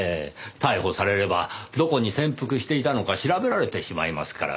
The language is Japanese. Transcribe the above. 逮捕されればどこに潜伏していたのか調べられてしまいますからねぇ。